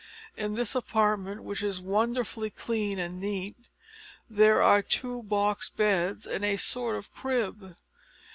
In this apartment, which is wonderfully clean and neat, there are two box beds and a sort of crib.